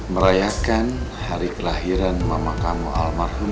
merayakan hari kelahiran mama kamu almarhum